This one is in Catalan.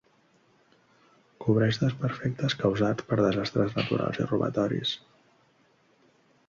Cobreix desperfectes causats per desastres naturals i robatoris.